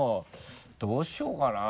どうしようかな？